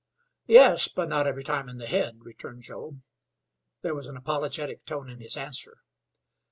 "Yes, but not every time in the head," returned Joe. There was an apologetic tone in his answer.